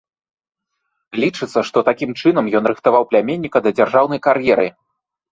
Лічыцца, што такім чынам ён рыхтаваў пляменніка да дзяржаўнай кар'еры.